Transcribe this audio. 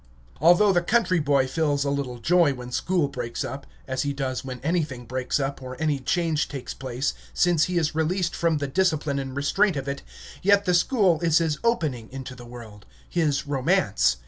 Although the country boy feels a little joy when school breaks up (as he does when anything breaks up, or any change takes place), since he is released from the discipline and restraint of it, yet the school is his opening into the world, his romance.